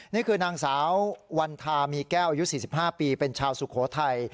นี่คือนางสาววันทามีแก้วอายุ๔๕ปีเป็นชาวสุโขทัย